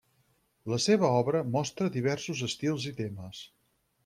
La seva obra mostra diversos estils i temes.